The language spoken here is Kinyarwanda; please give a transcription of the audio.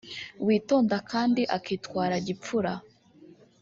witonda kandi akitwara gipfura